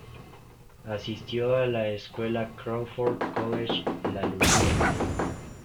Asistió a la escuela Crawford College La Lucia.